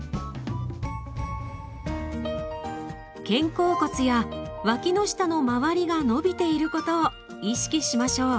肩甲骨や脇の下の周りが伸びていることを意識しましょう。